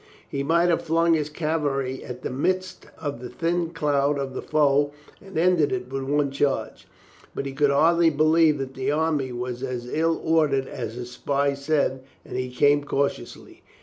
He might have flung his cavalry at the midst of the thin cloud of the foe and ended it with one charge. But he could hardly believe that the army was as ill ordered as his spies said, and he came cautiously.